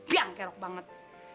biang kerok banget